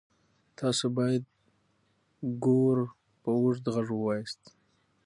تاسو باید ګور په اوږد غږ ووایاست.